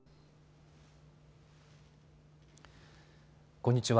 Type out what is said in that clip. こんにちは。